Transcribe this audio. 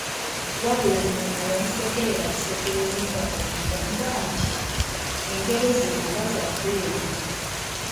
Wabula Nyaama yamusekerera busekerezi nga bw'amugamba nti, engero zino nga za bbeeyi nnyo!